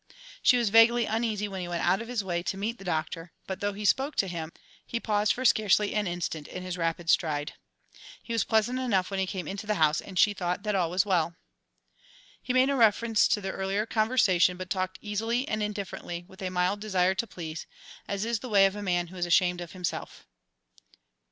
She was vaguely uneasy when he went out of his way to meet the Doctor, but, though he spoke to him, he paused for scarcely an instant in his rapid stride. He was pleasant enough when he came into the house, and she thought that all was well. He made no reference to their earlier conversation, but talked easily and indifferently, with a mild desire to please, as is the way of a man who is ashamed of himself.